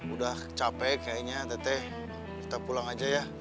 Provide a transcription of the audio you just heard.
udah capek kayaknya teteh kita pulang aja ya